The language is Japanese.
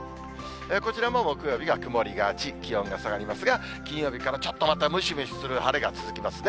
こちらも木曜日が曇りがち、気温が下がりますが、金曜日からちょっとまたムシムシする晴れが続きますね。